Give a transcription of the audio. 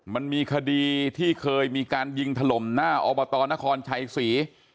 มันมีคดีที่เคยมีการยิงถล่มหน้าอบตนครชัยศรี